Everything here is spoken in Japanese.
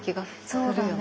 そうだね。